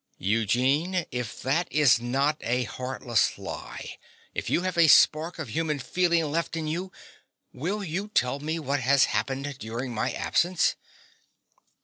Eugene: if that is not a heartless lie if you have a spark of human feeling left in you will you tell me what has happened during my absence?